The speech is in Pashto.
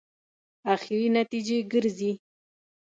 اخري نتیجې ګرځي.